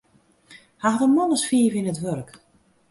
Hy hat in man as fiif yn it wurk.